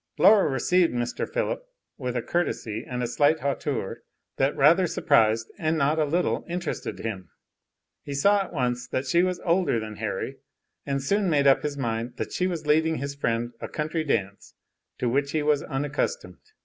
Laura received Mr. Philip with a courtesy and a slight hauteur that rather surprised and not a little interested him. He saw at once that she was older than Harry, and soon made up his mind that she was leading his friend a country dance to which he was unaccustomed.